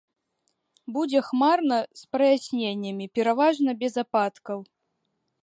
Будзе хмарна з праясненнямі, пераважна без ападкаў.